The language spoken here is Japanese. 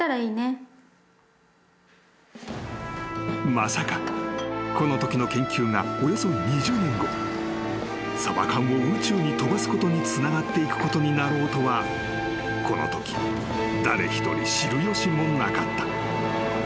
［まさかこのときの研究がおよそ２０年後サバ缶を宇宙に飛ばすことにつながっていくことになろうとはこのとき誰一人知る由もなかった］